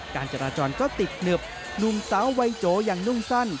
การจราจรก็ติดหนึบหนุ่มสาววัยโจอย่างนุ่งสั้น